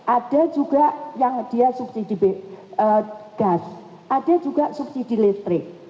ada juga yang dia subsidi gas ada juga subsidi listrik